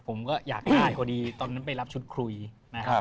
ผมก็อยากได้พอดีตอนนั้นไปรับชุดคุยนะครับ